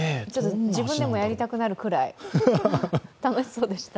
自分でもやりたくなるくらい、楽しそうでした。